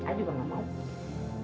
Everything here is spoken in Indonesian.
i juga nggak mau